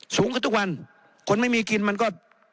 สูงกว่าทุกวันคนไม่มีกินมันก็